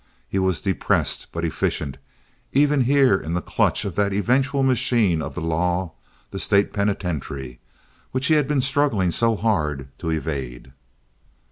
He was depressed but efficient, even here in the clutch of that eventual machine of the law, the State penitentiary, which he had been struggling so hard to evade.